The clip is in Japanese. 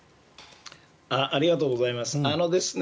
ありがとうございます。